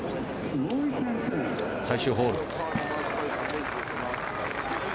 最終ホール。